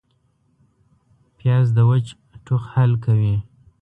پیاز د وچ ټوخ حل کوي